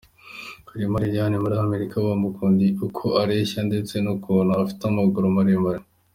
Kalima Liliane muri Amerika bamukundiye uko areshya ndetse n'ukuntu afite amaguru maremare.